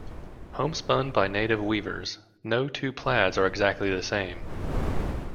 Home-spun by native weavers, no two plaids are exactly the same.